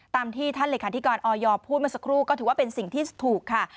ที่ท่านเลขาธิการออยพูดมาสักครู่ก็ถือว่าเป็นสิ่งที่ถูกค่ะ